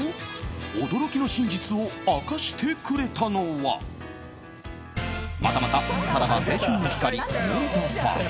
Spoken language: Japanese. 驚きの真実を明かしてくれたのはまたまたさらば青春の光、森田さん。